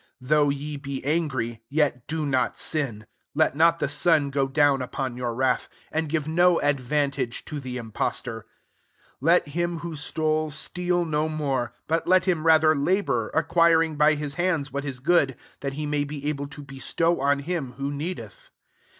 :6 Though ye be angry, yet do lot sin : let not the sun go [own upon your wrath : 27 and ;ive no advantage to the im lostor. 28 Let him who stole, teal no more : but let him athcr labour, acquiring by M9 lands what is good, that he nay be able to bestaw on him rho needeth.